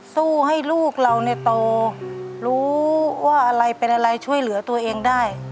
สู้ให้ลูกเราเนี่ยโตรู้ว่าอะไรเป็นอะไรช่วยเหลือตัวเองได้